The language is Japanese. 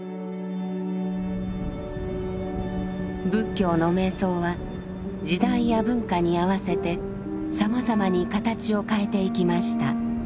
仏教の瞑想は時代や文化に合わせてさまざまに形を変えていきました。